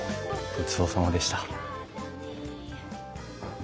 ごちそうさまでした。